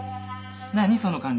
何その感じ。